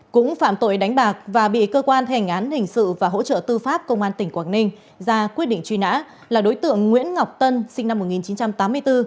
cũng phạm tội đánh bạc và bị cơ quan thành án hình sự và hỗ trợ tư pháp công an tỉnh quảng ninh ra quyết định truy nã là đối tượng nguyễn ngọc tân sinh năm một nghìn chín trăm tám mươi bốn